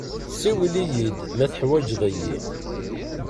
Siwel-iyi-d ma teḥwaǧeḍ-iyi.